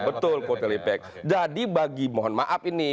betul kotelypex jadi bagi mohon maaf ini